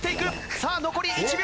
さあ残り１秒！